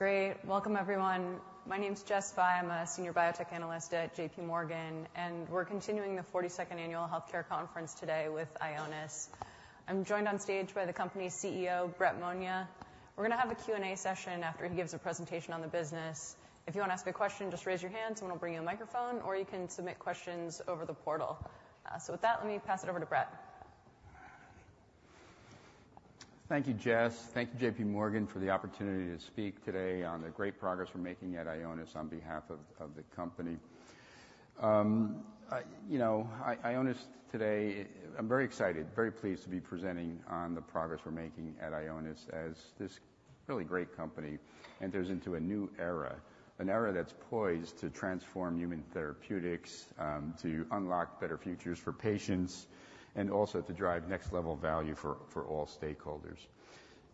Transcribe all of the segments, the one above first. Great. Welcome, everyone. My name is Jessica Fye. I'm a Senior Biotech Analyst at JPMorgan, and we're continuing the 42nd Annual Health Care Conference today with Ionis. I'm joined on stage by the company's CEO, Brett Monia. We're going to have a Q&A session after he gives a presentation on the business. If you want to ask a question, just raise your hand, someone will bring you a microphone, or you can submit questions over the portal. So with that, let me pass it over to Brett. Thank you, Jess. Thank you, JPMorgan, for the opportunity to speak today on the great progress we're making at Ionis on behalf of the company. You know, Ionis today, I'm very excited, very pleased to be presenting on the progress we're making at Ionis as this really great company enters into a new era. An era that's poised to transform human therapeutics, to unlock better futures for patients, and also to drive next-level value for all stakeholders.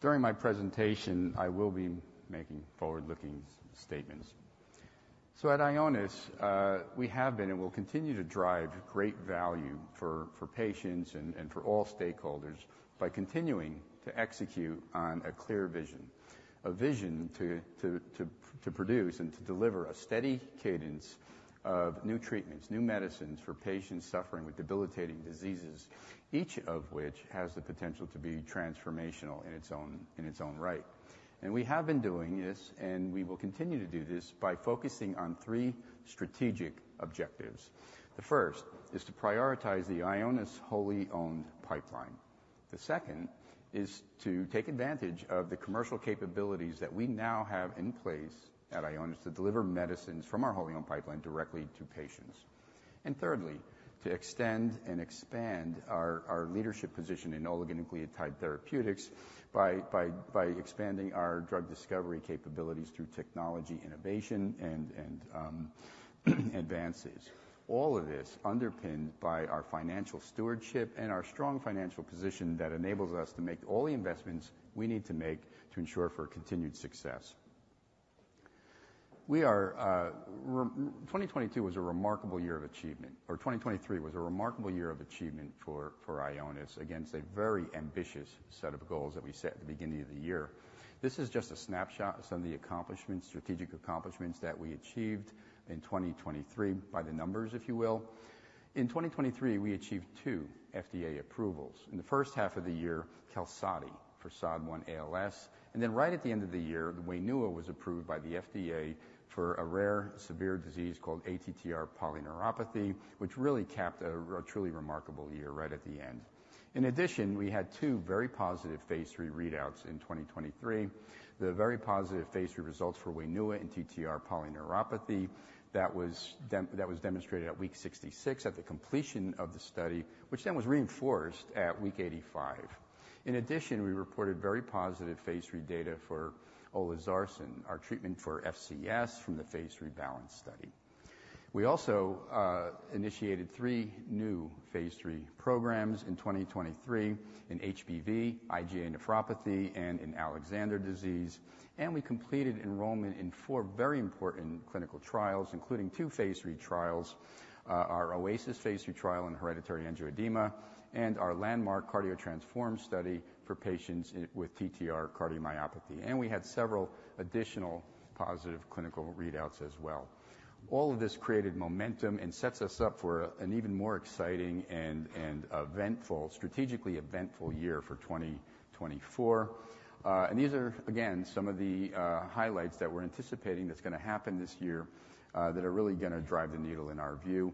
During my presentation, I will be making forward-looking statements. So at Ionis, we have been and will continue to drive great value for patients and for all stakeholders by continuing to execute on a clear vision. A vision to produce and to deliver a steady cadence of new treatments, new medicines for patients suffering with debilitating diseases, each of which has the potential to be transformational in its own, in its own right. We have been doing this, and we will continue to do this by focusing on three strategic objectives. The first is to prioritize the Ionis wholly owned pipeline. The second is to take advantage of the commercial capabilities that we now have in place at Ionis to deliver medicines from our wholly owned pipeline directly to patients. Thirdly, to extend and expand our leadership position in oligonucleotide therapeutics by expanding our drug discovery capabilities through technology, innovation, and advances. All of this underpinned by our financial stewardship and our strong financial position that enables us to make all the investments we need to make to ensure for continued success. We are, 2022 was a remarkable year of achievement, or 2023 was a remarkable year of achievement for Ionis against a very ambitious set of goals that we set at the beginning of the year. This is just a snapshot of some of the accomplishments, strategic accomplishments that we achieved in 2023 by the numbers, if you will. In 2023, we achieved two FDA approvals. In the first half of the year, QALSODY for SOD1-ALS, and then right at the end of the year, WAINUA was approved by the FDA for a rare severe disease called ATTR polyneuropathy, which really capped a truly remarkable year right at the end. In addition, we had two very[positive] phase III readouts in 2023. The very[positive] phase III results for WAINUA in TTR polyneuropathy that was demonstrated at week 66 at the completion of the study, which then was reinforced at week 85. In addition, we reported very[positive] phase III data for Olezarsen, our treatment for FCS from phase iii BALANCE study. We also initiated three phase III programs in 2023 in HBV, IgA nephropathy, and in Alexander disease. We completed enrollment in four very important clinical trials, including phase III trials, our phase III trial in hereditary angioedema and our landmark CARDIO-TTRansform study for patients with ATTR cardiomyopathy. We had several additional positive clinical readouts as well. All of this created momentum and sets us up for an even more exciting and eventful, strategically eventful year for 2024. And these are, again, some of the highlights that we're anticipating that's going to happen this year, that are really going to drive the needle in our view.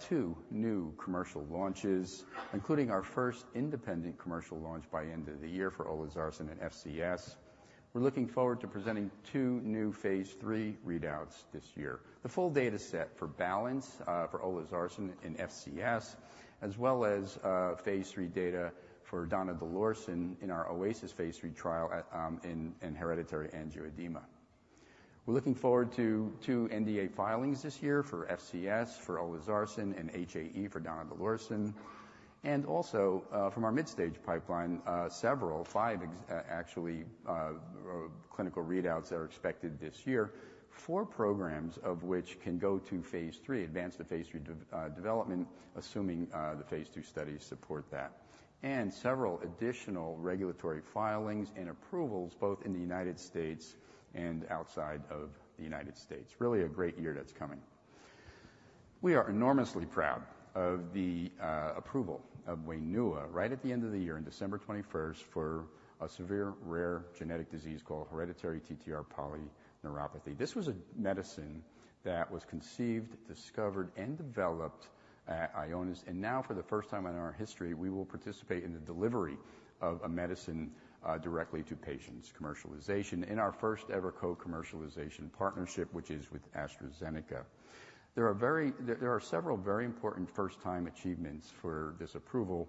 Two new commercial launches, including our first independent commercial launch by end of the year for Olezarsen in FCS. We're looking forward to presenting two phase III readouts this year. The full data set for BALANCE for Olezarsen in FCS, as well phase III data for Donidalorsen in our OASIS-HAE trial in hereditary angioedema. We're looking forward to two NDA filings this year for FCS, for Olezarsen and HAE for Donidalorsen, and also, from our mid-stage pipeline, several, five actually, clinical readouts that are expected this year four programs of which can go phase III, advance phase III, development, assuming the phase II studies support that. And several additional regulatory filings and approvals, both in the United States and outside of the United States. Really a great year that's coming. We are enormously proud of the approval of WAINUA right at the end of the year, on December 21st, for a severe rare genetic disease called hereditary TTR polyneuropathy. This was a medicine that was conceived, discovered, and developed at Ionis, and now, for the first time in our history, we will participate in the delivery of a medicine directly to patients' commercialization in our first-ever co-commercialization partnership, which is with AstraZeneca. There are several very important first-time achievements for this approval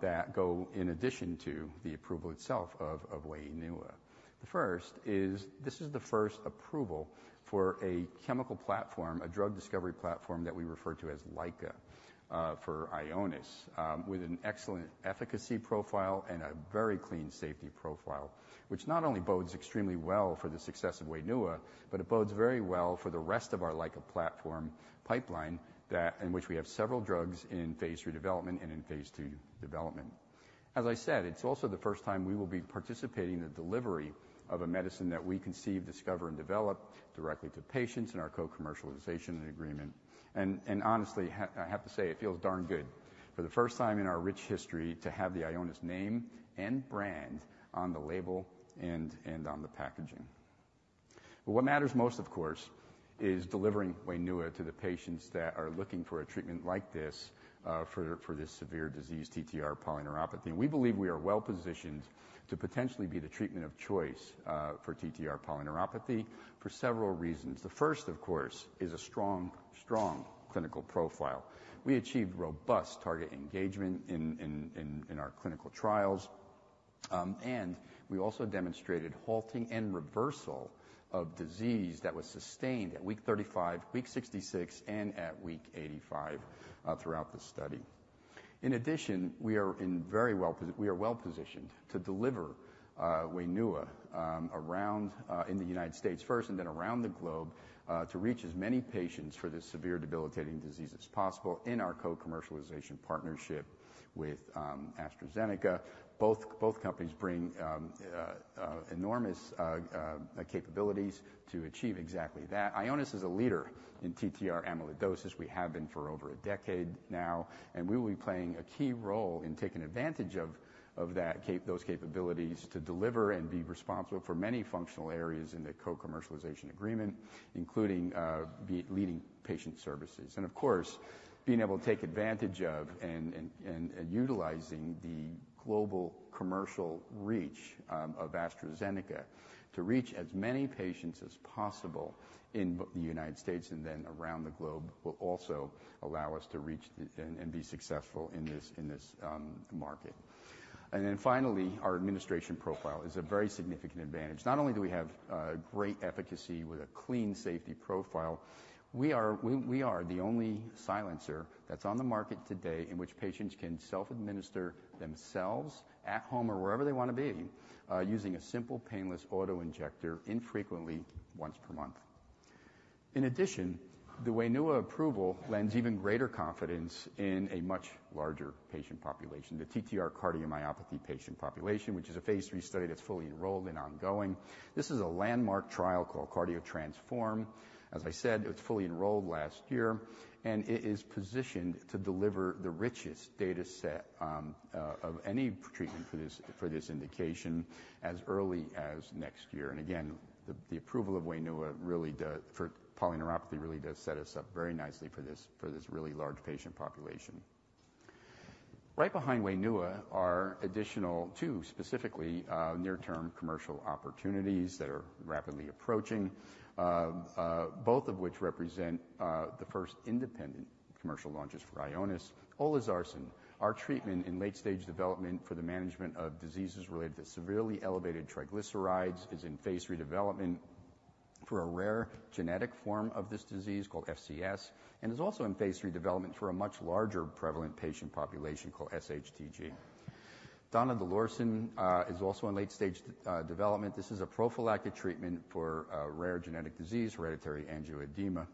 that go in addition to the approval itself of WAINUA. The first is, this is the first approval for a chemical platform, a drug discovery platform that we refer to as LICA for Ionis with an excellent efficacy profile and a very clean safety profile, which not only bodes extremely well for the success of WAINUA, but it bodes very well for the rest of our LICA platform pipeline, that in which we have several drugs phase III development and in phase II development. As I said, it's also the first time we will be participating in the delivery of a medicine that we conceive, discover, and develop directly to patients in our co-commercialization agreement. Honestly, I have to say, it feels darn good for the first time in our rich history to have the Ionis name and brand on the label and on the packaging... But what matters most, of course, is delivering WAINUA to the patients that are looking for a treatment like this, for this severe disease, TTR polyneuropathy. We believe we are well-positioned to potentially be the treatment of choice, for TTR polyneuropathy for several reasons. The first, of course, is a strong, strong clinical profile. We achieved robust target engagement in our clinical trials, and we also demonstrated halting and reversal of disease that was sustained at week 35, week 66, and at week 85 throughout the study. In addition, we are well-positioned to deliver WAINUA around in the United States first and then around the globe to reach as many patients for this severe debilitating disease as possible in our co-commercialization partnership with AstraZeneca. Both companies bring enormous capabilities to achieve exactly that. Ionis is a leader in TTR amyloidosis. We have been for over a decade now, and we will be playing a key role in taking advantage of those capabilities to deliver and be responsible for many functional areas in the co-commercialization agreement, including the leading patient services. And of course, being able to take advantage of and utilizing the global commercial reach of AstraZeneca to reach as many patients as possible in the United States and then around the globe, will also allow us to reach and be successful in this market. And then finally, our administration profile is a very significant advantage. Not only do we have great efficacy with a clean safety profile, we are the only silencer that's on the market today in which patients can self-administer themselves at home or wherever they want to be using a simple, painless auto-injector infrequently, once per month. In addition, the WAINUA approval lends even greater confidence in a much larger patient population, the ATTR cardiomyopathy patient population, which is phase III study that's fully enrolled and ongoing. This is a landmark trial called CARDIO-TTRansform. As I said, it was fully enrolled last year, and it is positioned to deliver the richest data set of any treatment for this indication as early as next year. And again, the approval of WAINUA really does, for polyneuropathy, really does set us up very nicely for this really large patient population. Right behind WAINUA are an additional two, specifically, near-term commercial opportunities that are rapidly approaching. Both of which represent the first independent commercial launches for Ionis. Olezarsen, our treatment in late-stage development for the management of diseases related to severely elevated triglycerides, is in phase III development for a rare genetic form of this disease called FCS, and is also in phase III development for a much larger prevalent patient population called SHTG. Donidalorsen is also in late-stage development. This is a prophylactic treatment for a rare genetic disease, hereditary angioedema.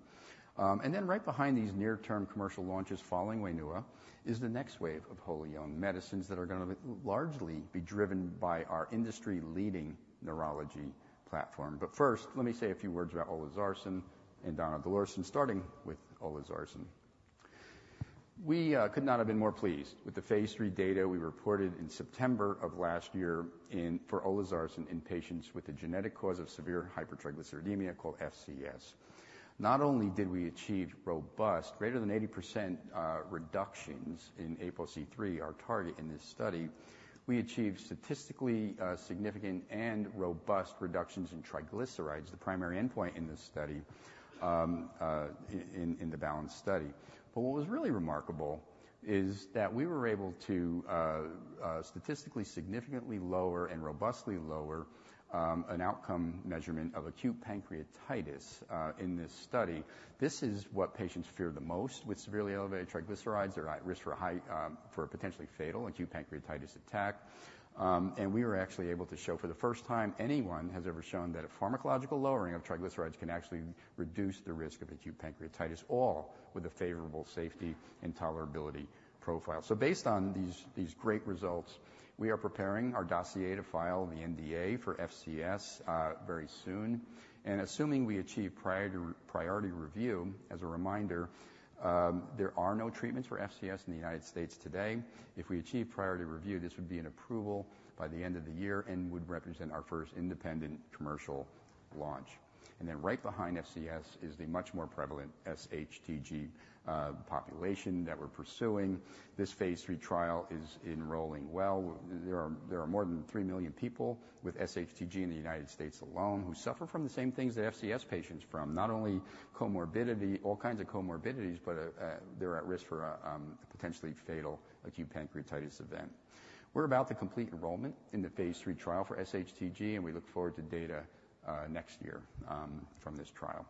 And then right behind these near-term commercial launches, following WAINUA, is the next wave of LICA medicines that are gonna largely be driven by our industry-leading neurology platform. But first, let me say a few words about Olezarsen and Donidalorsen, starting with Olezarsen. We could not have been more pleased with phase III data we reported in September of last year for Olezarsen in patients with a genetic cause of severe hypertriglyceridemia called FCS. Not only did we achieve robust, greater than 80% reductions in ApoC3, our target in this study, we achieved statistically significant and robust reductions in triglycerides, the primary endpoint in this study, in the BALANCE study. But what was really remarkable is that we were able to statistically significantly lower and robustly lower an outcome measurement of acute pancreatitis in this study. This is what patients fear the most with severely elevated triglycerides. They're at risk for a potentially fatal acute pancreatitis attack. We were actually able to show for the first time anyone has ever shown that a pharmacological lowering of triglycerides can actually reduce the risk of acute pancreatitis, all with a favorable safety and tolerability profile. So based on these, these great results, we are preparing our dossier to file the NDA for FCS very soon. And assuming we achieve priority, priority review, as a reminder, there are no treatments for FCS in the United States today. If we achieve priority review, this would be an approval by the end of the year and would represent our first independent commercial launch. And then right behind FCS is the much more prevalent SHTG population that we're pursuing. phase III trial is enrolling well. There are more than 3 million people with SHTG in the United States alone, who suffer from the same things that FCS patients from. Not only comorbidity, all kinds of comorbidities, but they're at risk for a potentially fatal acute pancreatitis event. We're about to complete enrollment in phase III trial for SHTG, and we look forward to data next year from this trial.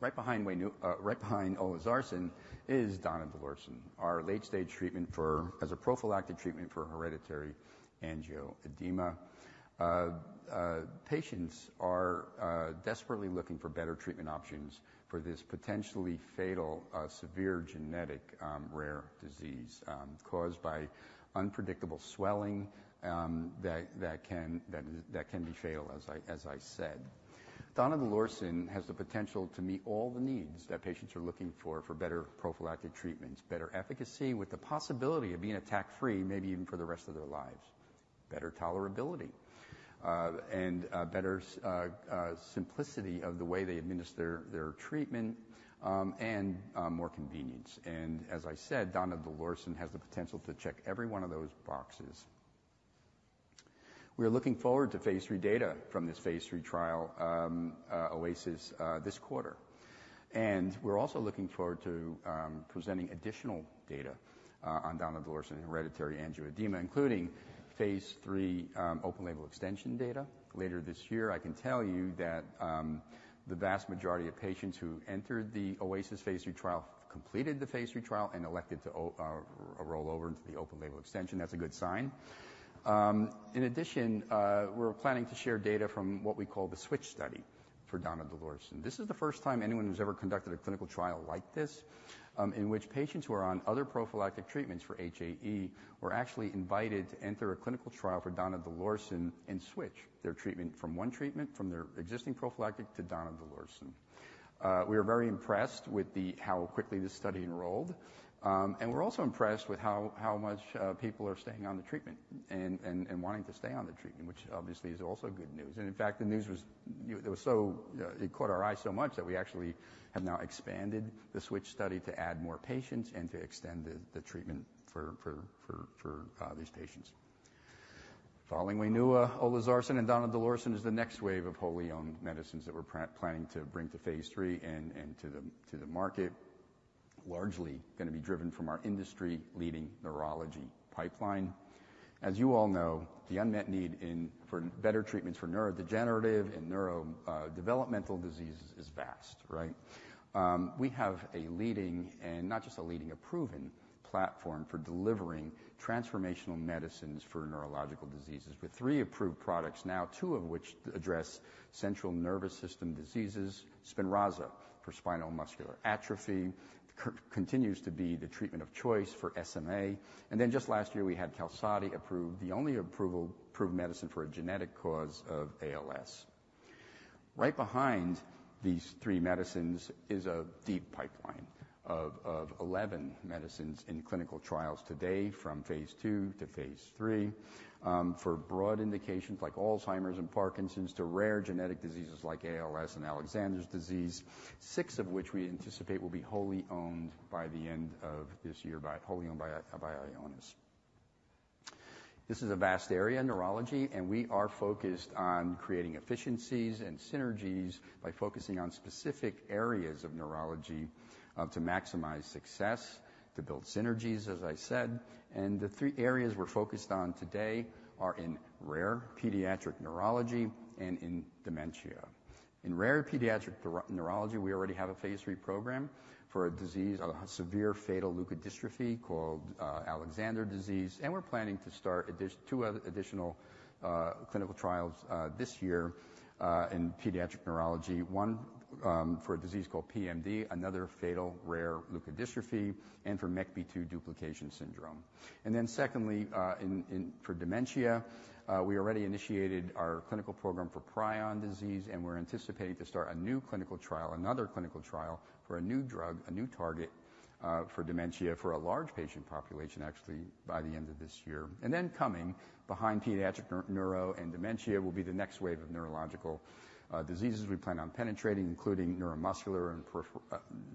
Right behind WAINUA, right behind Olezarsen is Donidalorsen, our late-stage treatment for... As a prophylactic treatment for hereditary angioedema. Patients are desperately looking for better treatment options for this potentially fatal severe genetic rare disease caused by unpredictable swelling that can be fatal, as I said. Donidalorsen has the potential to meet all the needs that patients are looking for, for better prophylactic treatments, better efficacy, with the possibility of being attack-free, maybe even for the rest of their lives. Better tolerability, and better simplicity of the way they administer their treatment, and more convenience. And as I said, Donidalorsen has the potential to check every one of those boxes. We are looking forward phase III data from phase III trial, OASIS, this quarter. And we're also looking forward to presenting additional data on Donidalorsen in hereditary angioedema, phase III open label extension data later this year. I can tell you that the vast majority of patients who entered the OASIS phase II trial completed the phase II trial and elected to roll over into the open label extension. That's a good sign. In addition, we're planning to share data from what we call the Switch study for Donidalorsen. This is the first time anyone has ever conducted a clinical trial like this, in which patients who are on other prophylactic treatments for HAE were actually invited to enter a clinical trial for Donidalorsen and switch their treatment from one treatment, from their existing prophylactic to Donidalorsen. We are very impressed with how quickly this study enrolled. And we're also impressed with how much people are staying on the treatment and wanting to stay on the treatment, which obviously is also good news. And in fact, the news was. It was so it caught our eye so much that we actually have now expanded the Switch study to add more patients and to extend the treatment for these patients. Following Wainua, Olezarsen and Donidalorsen is the next wave of wholly owned medicines that we're planning to bring phase III and to the market. Largely gonna be driven from our industry-leading neurology pipeline. As you all know, the unmet need in for better treatments for neurodegenerative and neurodevelopmental diseases is vast, right? We have a leading, and not just a leading, a proven platform for delivering transformational medicines for neurological diseases, with three approved products now, two of which address central nervous system diseases. SPINRAZA, for spinal muscular atrophy, continues to be the treatment of choice for SMA. And then just last year, we had QALSODY approved, the only approved medicine for a genetic cause of ALS. Right behind these three medicines is a deep pipeline of 11 medicines in clinical trials today, from phase II phase III, for broad indications like Alzheimer's and Parkinson's, to rare genetic diseases like ALS and Alexander disease, six of which we anticipate will be wholly owned by the end of this year by Ionis. This is a vast area, neurology, and we are focused on creating efficiencies and synergies by focusing on specific areas of neurology to maximize success, to build synergies, as I said. And the three areas we're focused on today are in rare pediatric neurology and in dementia. In rare pediatric neurology, we already have phase III program for a disease, a severe fatal leukodystrophy called Alexander disease. We're planning to start two other additional clinical trials this year in pediatric neurology. One for a disease called PMD, another fatal rare leukodystrophy, and for MECP2 duplication syndrome. Then secondly, in for dementia, we already initiated our clinical program for prion disease, and we're anticipating to start a new clinical trial, another clinical trial, for a new drug, a new target for dementia, for a large patient population, actually, by the end of this year. Then coming behind pediatric neuro and dementia, will be the next wave of neurological diseases we plan on penetrating, including neuromuscular and peripheral,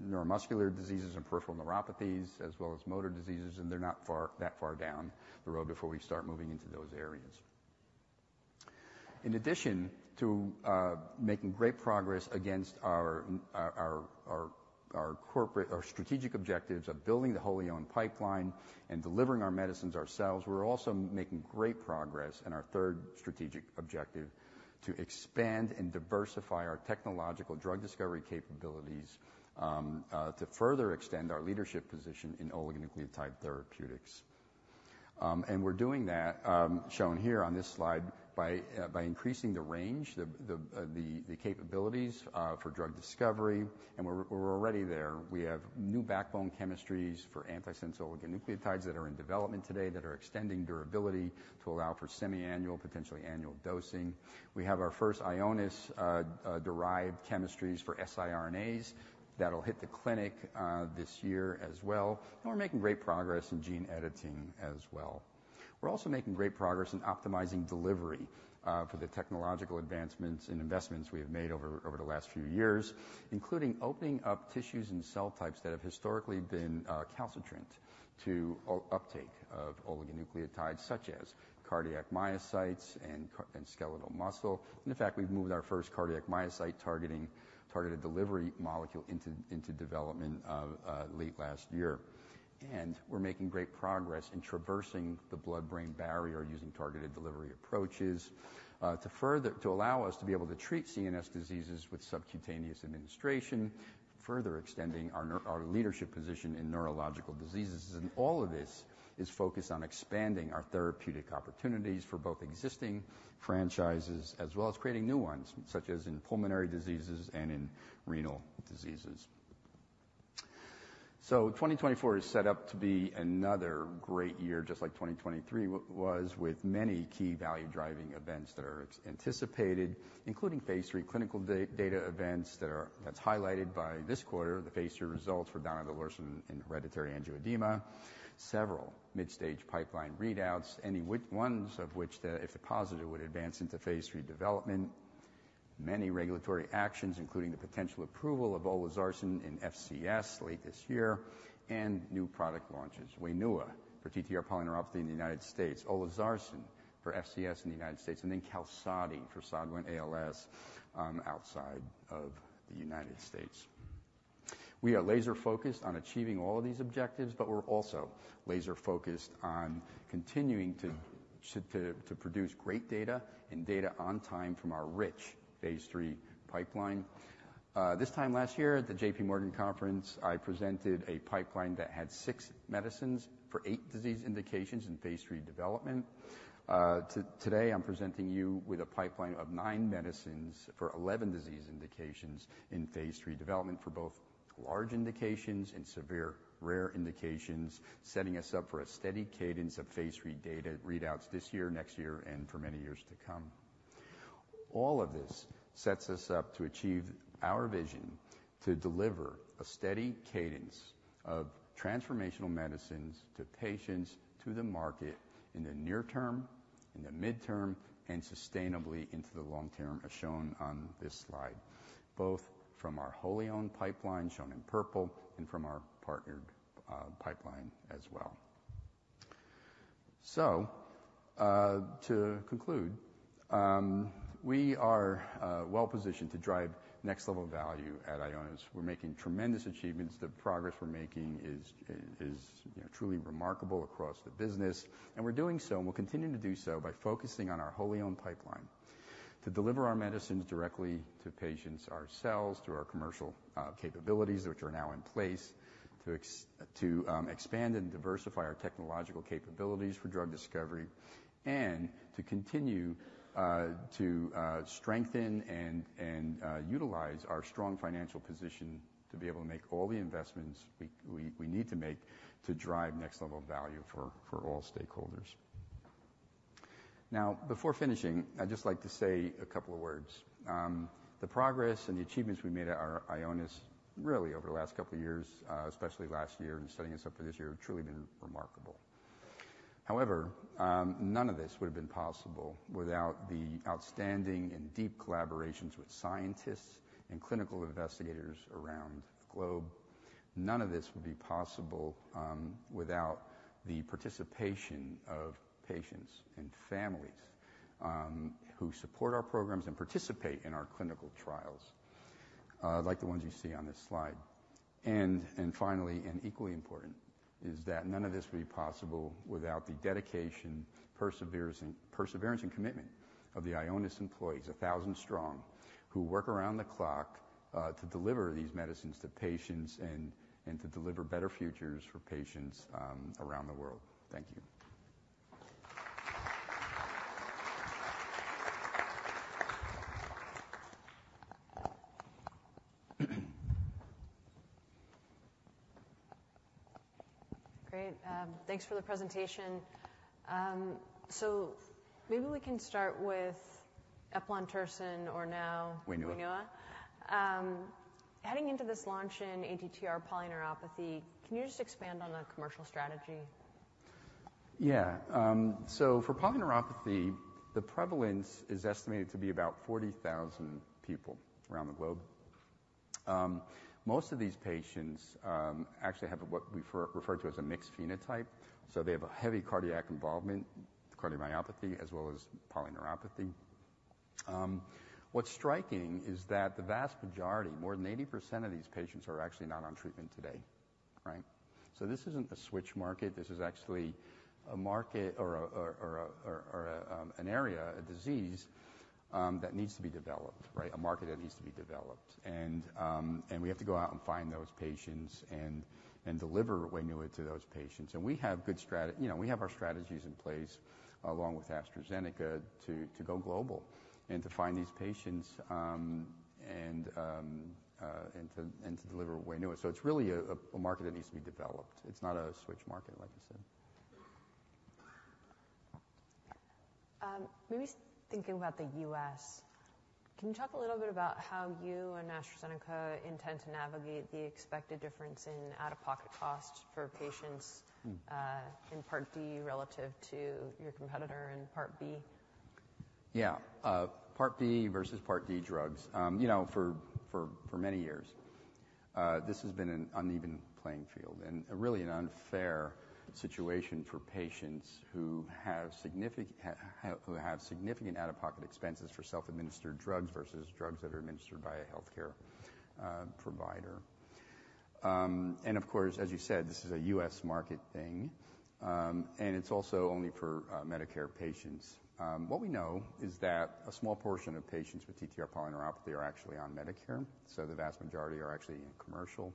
neuromuscular diseases and peripheral neuropathies, as well as motor diseases. And they're not far, that far down the road before we start moving into those areas. In addition to making great progress against our corporate, our strategic objectives of building the wholly owned pipeline and delivering our medicines ourselves, we're also making great progress in our third strategic objective: to expand and diversify our technological drug discovery capabilities, to further extend our leadership position in oligonucleotide therapeutics. And we're doing that, shown here on this slide, by increasing the range, the capabilities, for drug discovery, and we're already there. We have new backbone chemistries for antisense oligonucleotides that are in development today, that are extending durability to allow for semiannual, potentially annual dosing. We have our first Ionis derived chemistries for siRNAs that'll hit the clinic this year as well, and we're making great progress in gene editing as well. We're also making great progress in optimizing delivery for the technological advancements and investments we have made over the last few years, including opening up tissues and cell types that have historically been recalcitrant to uptake of oligonucleotides, such as cardiac myocytes and skeletal muscle. And in fact, we've moved our first cardiac myocyte targeting targeted delivery molecule into development late last year. And we're making great progress in traversing the blood-brain barrier, using targeted delivery approaches to further to allow us to be able to treat CNS diseases with subcutaneous administration, further extending our leadership position in neurological diseases. All of this is focused on expanding our therapeutic opportunities for both existing franchises as well as creating new ones, such as in pulmonary diseases and in renal diseases. So 2024 is set up to be another great year, just like 2023 was, with many key value-driving events that are anticipated, including phase III clinical data events that are—that's highlighted by this quarter, the phase III results for Donidalorsen in hereditary angioedema. Several mid-stage pipeline readouts, any which ones of which the, if the positive, would advance into phase III development. Many regulatory actions, including the potential approval of Olezarsen in FCS late this year, and new product launches. WAINUA for TTR polyneuropathy in the United States, Olezarsen for FCS in the United States, and then QALSODY for SOD1-ALS outside of the United States. We are laser-focused on achieving all of these objectives, but we're also laser-focused on continuing to produce great data and data on time from our rich phase III pipeline. This time last year at the JPMorgan conference, I presented a pipeline that had six medicines for eight disease indications in phase III development. Today, I'm presenting you with a pipeline of nine medicines for 11 disease indications in phase III development for both large indications and severe rare indications, setting us up for a steady cadence of phase III data readouts this year, next year, and for many years to come. All of this sets us up to achieve our vision to deliver a steady cadence of transformational medicines to patients, to the market in the near term, in the midterm, and sustainably into the long term, as shown on this slide, both from our wholly owned pipeline, shown in purple, and from our partnered pipeline as well. So, to conclude, we are well positioned to drive next-level value at Ionis. We're making tremendous achievements. The progress we're making is, you know, truly remarkable across the business, and we're doing so and will continue to do so by focusing on our wholly owned pipeline. To deliver our medicines directly to patients ourselves, through our commercial capabilities, which are now in place. To expand and diversify our technological capabilities for drug discovery, and to continue to strengthen and utilize our strong financial position to be able to make all the investments we need to make to drive next level of value for all stakeholders. Now, before finishing, I'd just like to say a couple of words. The progress and the achievements we made at our Ionis, really over the last couple of years, especially last year, and setting us up for this year, have truly been remarkable. However, none of this would have been possible without the outstanding and deep collaborations with scientists and clinical investigators around the globe. None of this would be possible without the participation of patients and families who support our programs and participate in our clinical trials like the ones you see on this slide. And finally, and equally important, is that none of this would be possible without the dedication, perseverance, and commitment of the Ionis employees, 1,000 strong, who work around the clock to deliver these medicines to patients and to deliver better futures for patients around the world. Thank you. Great. Thanks for the presentation. So maybe we can start with eplontersen or now- WAINUA WAINUA. Heading into this launch in ATTR polyneuropathy, can you just expand on the commercial strategy? Yeah. So for polyneuropathy, the prevalence is estimated to be about 40,000 people around the globe. Most of these patients actually have what we refer to as a mixed phenotype, so they have a heavy cardiac involvement, cardiomyopathy, as well as polyneuropathy. What's striking is that the vast majority, more than 80% of these patients, are actually not on treatment today, right? So this isn't a switch market. This is actually a market or an area, a disease, that needs to be developed, right? A market that needs to be developed. And we have to go out and find those patients and deliver WAINUA to those patients. We have good strategies in place, along with AstraZeneca, to go global and to find these patients, and to deliver WAINUA. It's really a market that needs to be developed. It's not a switch market, like you said. Maybe thinking about the U.S., can you talk a little bit about how you and AstraZeneca intend to navigate the expected difference in out-of-pocket costs for patients, in Part D, relative to your competitor in Part B? Yeah. Part B versus Part D drugs. You know, for many years, this has been an uneven playing field and really an unfair situation for patients who have significant out-of-pocket expenses for self-administered drugs versus drugs that are administered by a healthcare provider. And of course, as you said, this is a U.S. market thing, and it's also only for Medicare patients. What we know is that a small portion of patients with TTR polyneuropathy are actually on Medicare, so the vast majority are actually in commercial.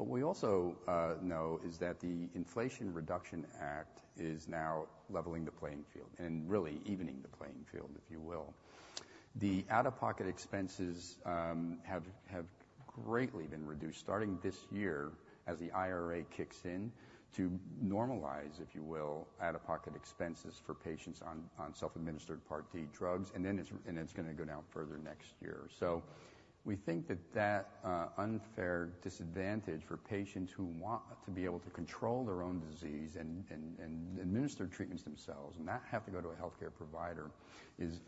What we also know is that the Inflation Reduction Act is now leveling the playing field and really evening the playing field, if you will. The out-of-pocket expenses have greatly been reduced starting this year as the IRA kicks in to normalize, if you will, out-of-pocket expenses for patients on self-administered Part D drugs, and then it's going to go down further next year. So we think that unfair disadvantage for patients who want to be able to control their own disease and administer treatments themselves and not have to go to a healthcare provider is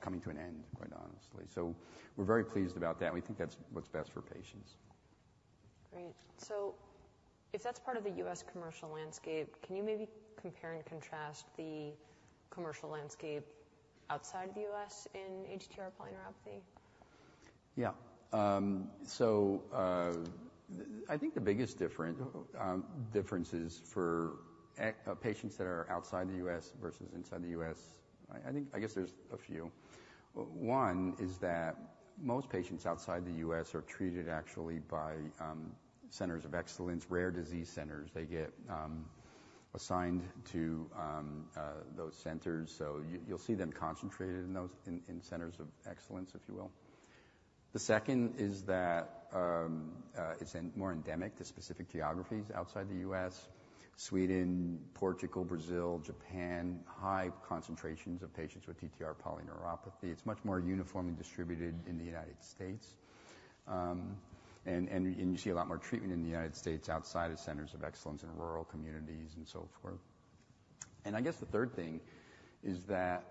coming to an end, quite honestly. So we're very pleased about that, and we think that's what's best for patients. Great. So if that's part of the U.S. commercial landscape, can you maybe compare and contrast the commercial landscape outside the U.S. in ATTR polyneuropathy? Yeah. I think the biggest differences for patients that are outside the U.S. versus inside the U.S., I think, I guess there's a few. One is that most patients outside the U.S. are treated actually by centers of excellence, rare disease centers. They get assigned to those centers, so you'll see them concentrated in those centers of excellence, if you will. The second is that it's more endemic to specific geographies outside the U.S., Sweden, Portugal, Brazil, Japan, high concentrations of patients with TTR polyneuropathy. It's much more uniformly distributed in the United States. And you see a lot more treatment in the United States outside of centers of excellence in rural communities and so forth. I guess the third thing is that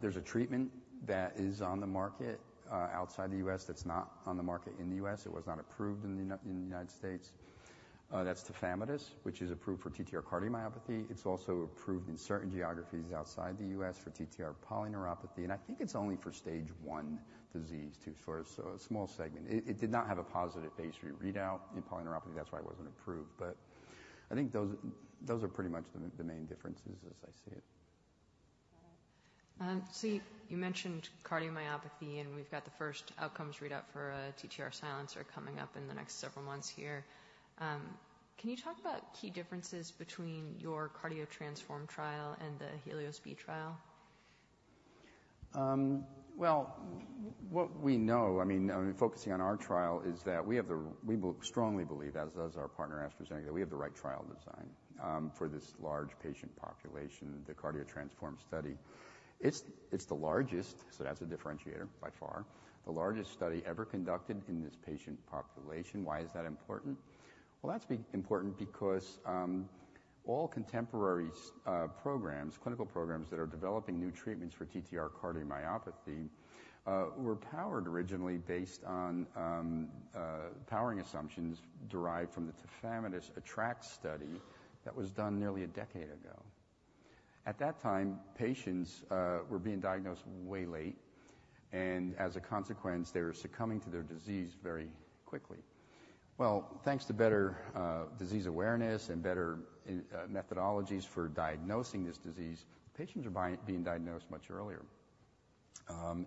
there's a treatment that is on the market outside the U.S. that's not on the market in the U.S. It was not approved in the United States. That's Tafamidis, which is approved for ATTR cardiomyopathy. It's also approved in certain geographies outside the U.S. for TTR polyneuropathy, and I think it's only for stage one disease, too, so a small segment. It did not have a phase III readout in polyneuropathy, that's why it wasn't approved. But I think those are pretty much the main differences as I see it. So you mentioned cardiomyopathy, and we've got the first outcomes readout for TTR silencer coming up in the next several months here. Can you talk about key differences between your CARDIO-TTRansform trial and the HELIOS-B trial? Well, what we know, I mean, focusing on our trial, is that we have. We strongly believe, as does our partner, AstraZeneca, that we have the right trial design for this large patient population, the CARDIO-TTRansform study. It's the largest, so that's a differentiator, by far. The largest study ever conducted in this patient population. Why is that important? Well, that's important because all contemporary programs, clinical programs that are developing new treatments for ATTR cardiomyopathy, were powered originally based on powering assumptions derived from the Tafamidis ATTR‑ACT study that was done nearly a decade ago. At that time, patients were being diagnosed way late, and as a consequence, they were succumbing to their disease very quickly. Well, thanks to better disease awareness and better methodologies for diagnosing this disease, patients are being diagnosed much earlier,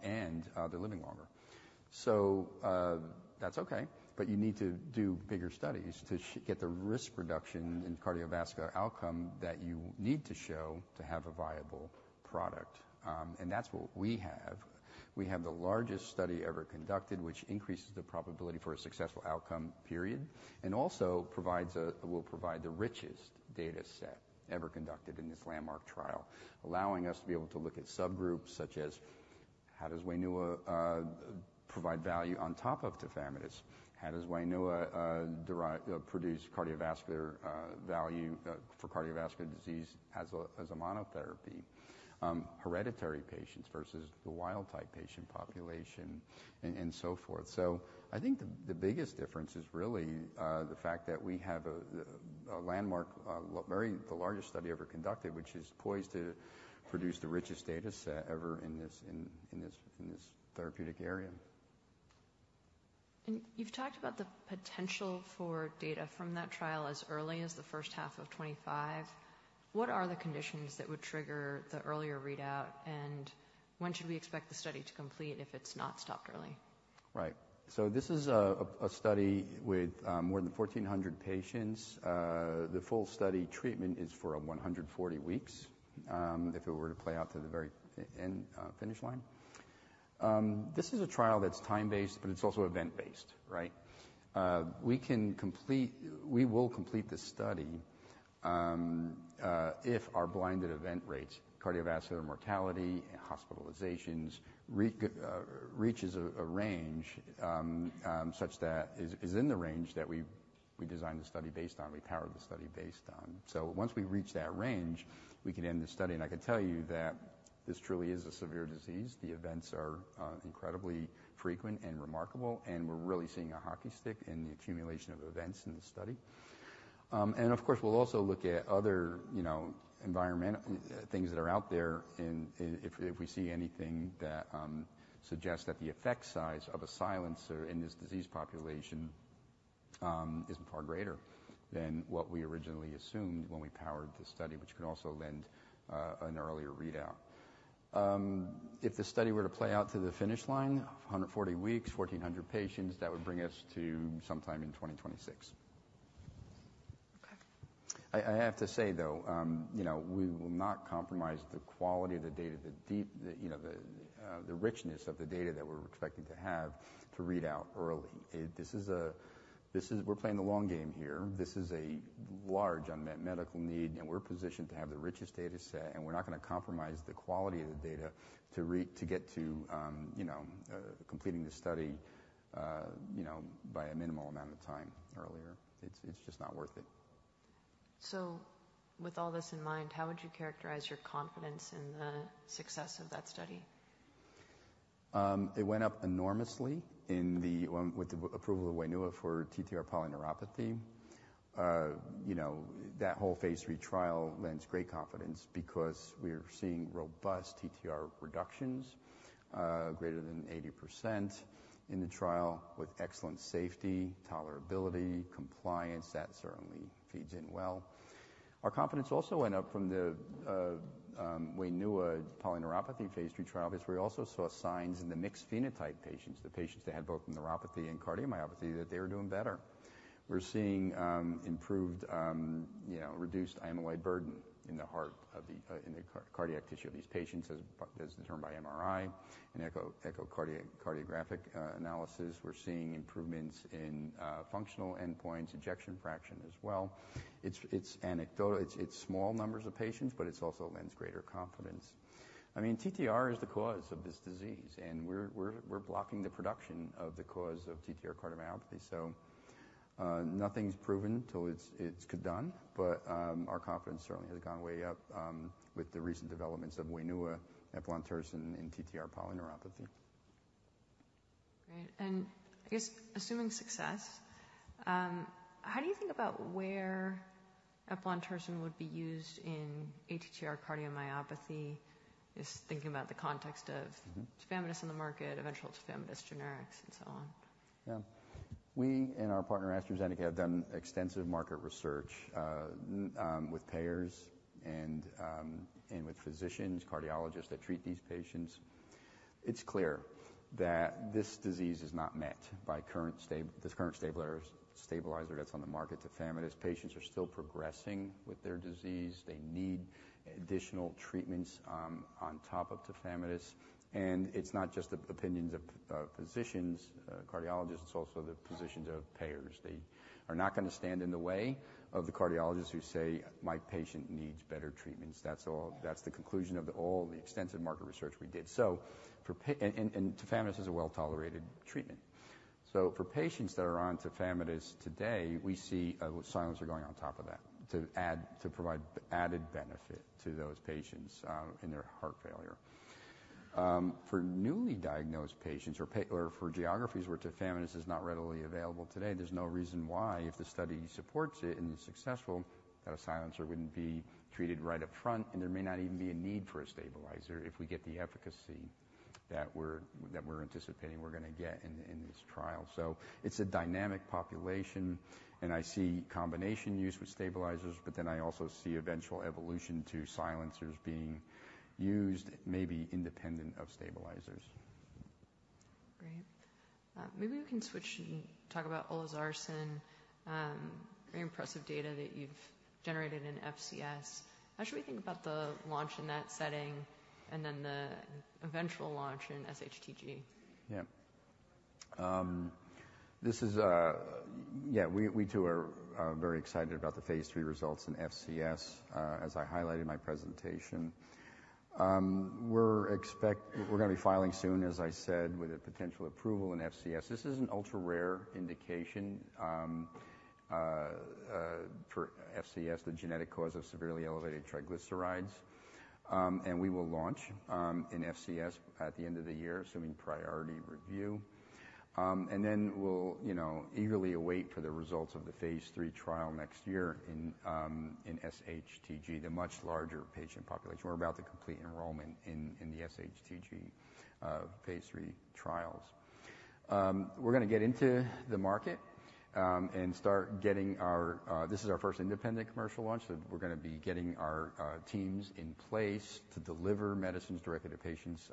and they're living longer. So, that's okay, but you need to do bigger studies to get the risk reduction in cardiovascular outcome that you need to show to have a viable product. And that's what we have. We have the largest study ever conducted, which increases the probability for a successful outcome, period, and also will provide the richest data set ever conducted in this landmark trial, allowing us to be able to look at subgroups such as how does WAINUA provide value on top of Tafamidis? How does WAINUA derive, produce cardiovascular value for cardiovascular disease as a, as a monotherapy? Hereditary patients versus the wild-type patient population and so forth. So I think the biggest difference is really the fact that we have a landmark, the largest study ever conducted, which is poised to produce the richest data set ever in this therapeutic area. You've talked about the potential for data from that trial as early as the first half of 2025. What are the conditions that would trigger the earlier readout, and when should we expect the study to complete if it's not stopped early? Right. So this is a study with more than 1,400 patients. The full study treatment is for 140 weeks, if it were to play out to the very end, finish line. This is a trial that's time-based, but it's also event-based, right? We can complete - we will complete this study, if our blinded event rates, cardiovascular mortality and hospitalizations, reaches a range, such that is in the range that we designed the study based on, we powered the study based on. So once we reach that range, we can end the study. And I can tell you that this truly is a severe disease. The events are incredibly frequent and remarkable, and we're really seeing a hockey stick in the accumulation of events in the study. Of course, we'll also look at other, you know, environmental things that are out there and if we see anything that suggests that the effect size of a silencer in this disease population is far greater than what we originally assumed when we powered the study, which could also lend an earlier readout. If the study were to play out to the finish line, 140 weeks, 1,400 patients, that would bring us to sometime in 2026. I have to say though, you know, we will not compromise the quality of the data, the depth, you know, the richness of the data that we're expecting to have to read out early. This is, this is, we're playing the long game here. This is a large unmet medical need, and we're positioned to have the richest data set, and we're not gonna compromise the quality of the data to get to, you know, completing the study, you know, by a minimal amount of time earlier. It's just not worth it. So with all this in mind, how would you characterize your confidence in the success of that study? It went up enormously with the approval of WAINUA for TTR polyneuropathy. You know, that phase III trial lends great confidence because we're seeing robust TTR reductions, greater than 80% in the trial, with excellent safety, tolerability, compliance. That certainly feeds in well. Our confidence also went up from the WAINUA phase III trial, because we also saw signs in the mixed phenotype patients, the patients that had both neuropathy and cardiomyopathy, that they were doing better. We're seeing improved, you know, reduced amyloid burden in the heart of the, in the cardiac tissue of these patients, as determined by MRI and echo, echocardiographic analysis. We're seeing improvements in functional endpoints, ejection fraction as well. It's anecdotal. It's small numbers of patients, but it's also lends greater confidence. I mean, TTR is the cause of this disease, and we're blocking the production of the cause of ATTR cardiomyopathy. So, nothing's proven until it's done, but our confidence certainly has gone way up with the recent developments of WAINUA (eplontersen) in TTR polyneuropathy. Great. And I guess, assuming success, how do you think about where eplontersen would be used in aATTR cardiomyopathy? Just thinking about the context of- Mm-hmm. Tafamidis in the market, eventual Tafamidis generics and so on. Yeah. We and our partner, AstraZeneca, have done extensive market research with payers and with physicians, cardiologists that treat these patients. It's clear that this disease is not met by current this current stabilizer that's on the market, Tafamidis. Patients are still progressing with their disease. They need additional treatments on top of Tafamidis. And it's not just the opinions of physicians, cardiologists. It's also the physicians of payers. They are not gonna stand in the way of the cardiologists who say, "My patient needs better treatments." That's all. That's the conclusion of all the extensive market research we did. Tafamidis is a well-tolerated treatment. So for patients that are on Tafamidis today, we see silencers going on top of that to add, to provide added benefit to those patients in their heart failure. For newly diagnosed patients, or for geographies where Tafamidis is not readily available today, there's no reason why, if the study supports it and is successful, that a silencer wouldn't be treated right up front, and there may not even be a need for a stabilizer if we get the efficacy that we're anticipating we're gonna get in this trial. So it's a dynamic population, and I see combination use with stabilizers, but then I also see eventual evolution to silencers being used, maybe independent of stabilizers. Great. Maybe we can switch and talk about Olezarsen. Very impressive data that you've generated in FCS. How should we think about the launch in that setting and then the eventual launch in SHTG? Yeah. Yeah, we too are very excited about phase III results in FCS, as I highlighted in my presentation. We're gonna be filing soon, as I said, with a potential approval in FCS. This is an ultra-rare indication for FCS, the genetic cause of severely elevated triglycerides. And we will launch in FCS at the end of the year, assuming priority review. And then we'll, you know, eagerly await the results of phase III trial next year in SHTG, the much larger patient population. We're about to complete enrollment in the phase III trials. We're gonna get into the market and start getting our... This is our first independent commercial launch, so we're gonna be getting our teams in place to deliver medicines directly to patients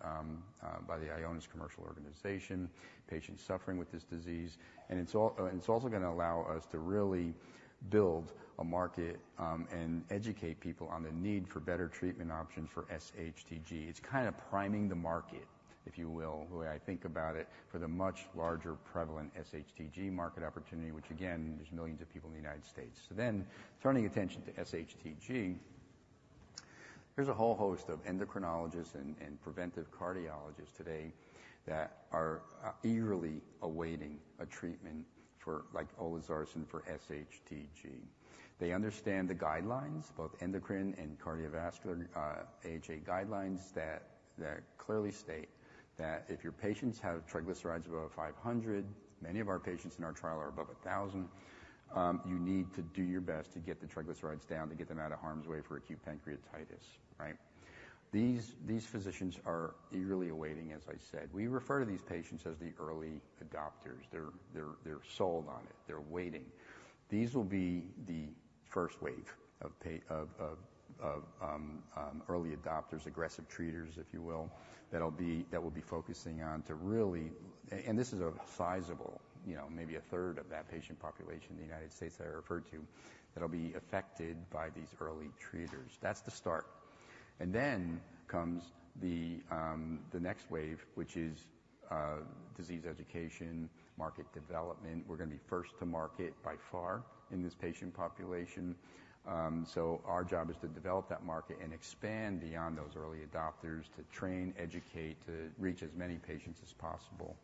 by the Ionis commercial organization, patients suffering with this disease. And it's also gonna allow us to really build a market and educate people on the need for better treatment options for SHTG. It's kind of priming the market, if you will, the way I think about it, for the much larger prevalent SHTG market opportunity, which again, there's millions of people in the United States. So then, turning attention to SHTG, there's a whole host of endocrinologists and preventive cardiologists today that are eagerly awaiting a treatment for, like, Olezarsen for SHTG. They understand the guidelines, both endocrine and cardiovascular, AHA guidelines, that clearly state that if your patients have triglycerides above 500, many of our patients in our trial are above 1,000, you need to do your best to get the triglycerides down, to get them out of harm's way for acute pancreatitis, right? These physicians are eagerly awaiting, as I said. We refer to these patients as the early adopters. They're sold on it. They're waiting. These will be the first wave of early adopters, aggressive treaters, if you will, that'll be that we'll be focusing on to really... This is a sizable, you know, maybe a third of that patient population in the United States that I referred to, that'll be affected by these early treaters. That's the start. And then comes the next wave, which is disease education, market development. We're gonna be first to market by far in this patient population. So our job is to develop that market and expand beyond those early adopters to train, educate, to reach as many patients as possible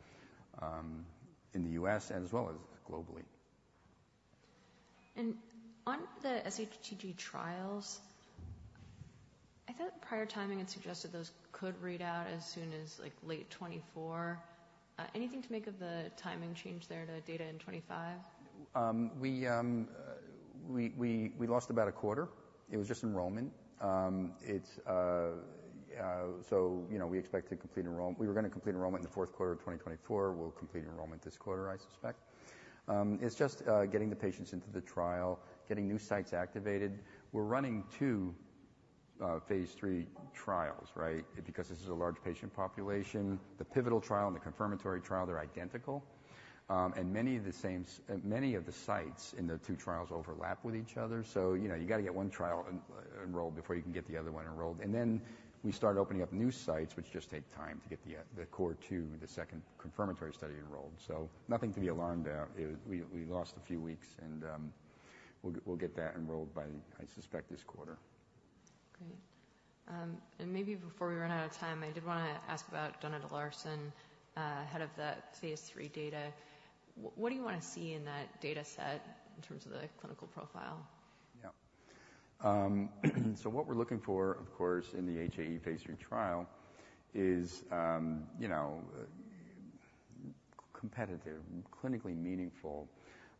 in the U.S. and as well as globally. On the SHTG trials, I thought prior timing had suggested those could read out as soon as, like, late 2024. Anything to make of the timing change there to data in 2025? We lost about a quarter. It was just enrollment. So, you know, we expect to complete enrollment. We were gonna complete enrollment in the fourth quarter of 2024. We'll complete enrollment this quarter, I suspect. It's just getting the patients into the trial, getting new sites activated. We're running phase III trials, right? Because this is a large patient population. The pivotal trial and the confirmatory trial, they're identical. And many of the same sites in the two trials overlap with each other. So, you know, you gotta get one trial enrolled before you can get the other one enrolled. And then we start opening up new sites, which just take time to get the second confirmatory study enrolled. So nothing to be alarmed about. We lost a few weeks, and we'll get that enrolled by, I suspect, this quarter. Great. And maybe before we run out of time, I did wanna ask about Donidalorsen, ahead of phase III data. What do you wanna see in that data set in terms of the clinical profile? Yeah. So what we're looking for, of course, in the phase III trial is, you know, competitive, clinically meaningful,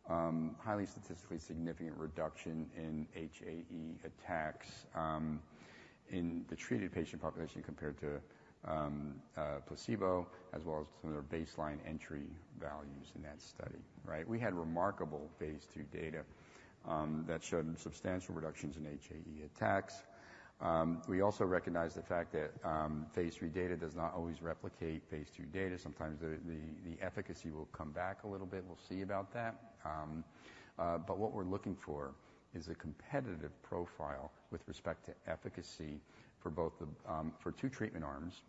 highly statistically significant reduction in HAE attacks, in the treated patient population, compared to, placebo, as well as some of their baseline entry values in that study, right? We had remarkable phase II data, that showed substantial reductions in HAE attacks. We also recognize the fact phase III data does not always replicate phase II data. Sometimes the efficacy will come back a little bit. We'll see about that. But what we're looking for is a competitive profile with respect to efficacy for both, for two treatment arms.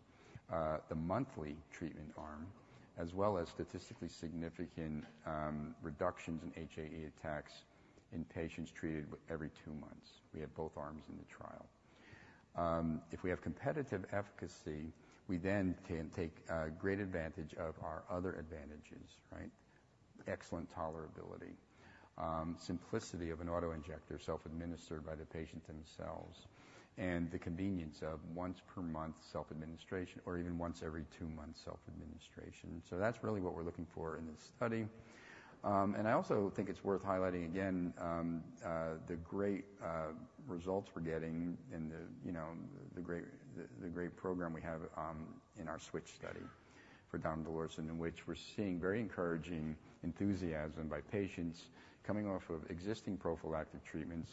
The monthly treatment arm, as well as statistically significant, reductions in HAE attacks in patients treated every two months. We have both arms in the trial. If we have competitive efficacy, we then can take great advantage of our other advantages, right? Excellent tolerability, simplicity of an auto-injector, self-administered by the patient themselves, and the convenience of once per month self-administration, or even once every two months self-administration. So that's really what we're looking for in this study. And I also think it's worth highlighting again, the great results we're getting in, you know, the great program we have in our switch study for Donidalorsen, in which we're seeing very encouraging enthusiasm by patients coming off of existing prophylactic treatments.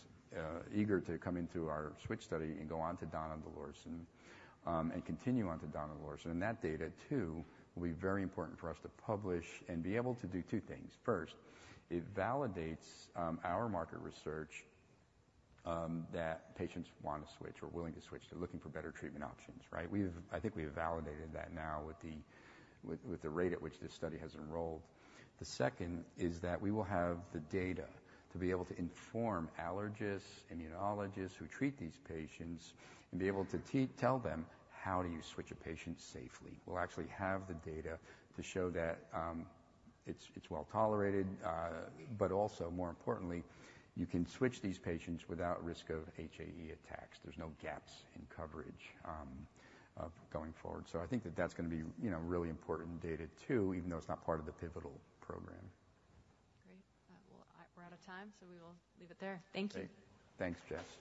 Eager to come into our switch study and go on to Donidalorsen, and continue on to Donidalorsen. That data, too, will be very important for us to publish and be able to do two things. First, it validates our market research that patients want to switch or are willing to switch. They're looking for better treatment options, right? I think we've validated that now with the rate at which this study has enrolled. The second is that we will have the data to be able to inform allergists, immunologists, who treat these patients and be able to tell them: How do you switch a patient safely? We'll actually have the data to show that it's well-tolerated, but also more importantly, you can switch these patients without risk of HAE attacks. There's no gaps in coverage going forward. I think that that's gonna be, you know, really important data, too, even though it's not part of the pivotal program. Great. Well, we're out of time, so we will leave it there. Thank you. Thanks, Jess.